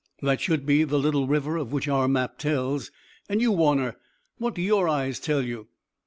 "That should be the little river of which our map tells. And you, Warner, what do your eyes tell you?"